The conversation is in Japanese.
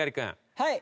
はい。